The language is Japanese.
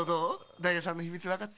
ダイヤさんのひみつわかった？